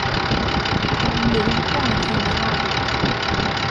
陳林半天下